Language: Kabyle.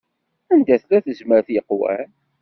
Anda tella tezmert yeqwan.